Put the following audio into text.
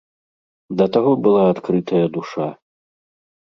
Да таго была адкрытая душа!